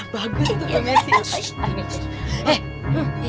bagus tuh tuh messi